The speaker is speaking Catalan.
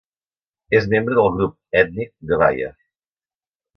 És membre del grup ètnic gbaya.